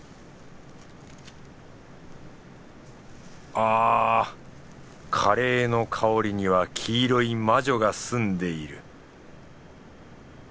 あぁカレーの香りには黄色い魔女が住んでいる。